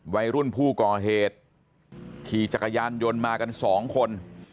วัยรุ่นผู้ก่อเหตุขี่จักรยานยนต์มากันสองคน